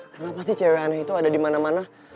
kenapa sih cewek ana itu ada dimana mana